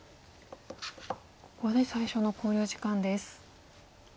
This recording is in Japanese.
ここで最初の考慮時間です。